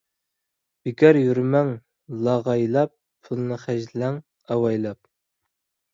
بىكار يۈرمەڭ لاغايلاپ، پۇلنى خەجلەڭ ئاۋايلاپ.